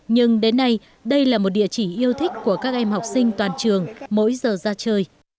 nhưng đến nay đây là một địa chỉ yêu thích của các em học sinh toàn trường mỗi giờ ra chơi